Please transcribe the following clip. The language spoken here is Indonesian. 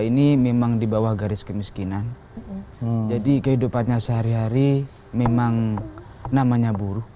ini memang di bawah garis kemiskinan jadi kehidupannya sehari hari memang namanya buruh